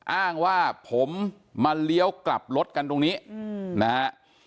อ้างว่าผมมาเลี้ยวกลับรถกันตรงนี้นะฮะ